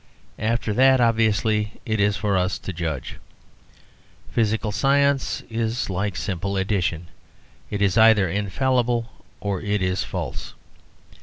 After that, obviously, it is for us to judge. Physical science is like simple addition: it is either infallible or it is false.